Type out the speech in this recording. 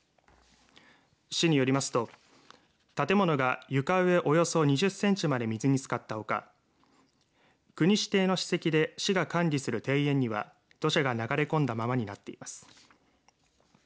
市によりますと建物が床上およそ２０センチまで水につかったほか国指定の史跡で市が管理する庭園には土砂が流れ込んだままになっています。